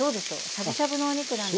しゃぶしゃぶのお肉なんで。